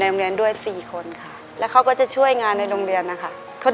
ในแคมเปญพิเศษเกมต่อชีวิตโรงเรียนของหนู